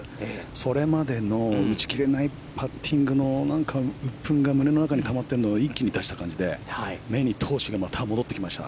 それまでの打ち切れないパッティングの何か、鬱憤が胸の中にたまっているのを一気に出した感じで、目に闘志がまた戻ってきました。